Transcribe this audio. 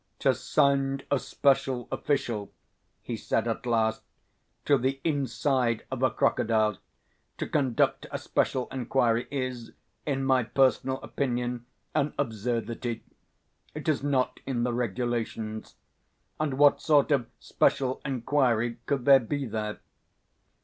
"To send a special official," he said at last, "to the inside of a crocodile to conduct a special inquiry is, in my personal opinion, an absurdity. It is not in the regulations. And what sort of special inquiry could there be there?"